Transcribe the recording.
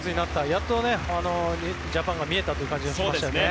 やっとジャパンが見えたという感じがしましたね。